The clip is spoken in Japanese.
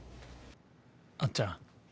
あっちゃん。